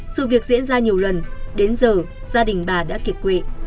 sự việc diễn ra nhiều lần đến giờ gia đình bà đã kiệt quệ